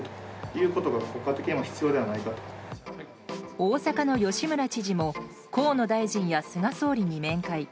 大阪の吉村知事も河野大臣や菅総理に面会。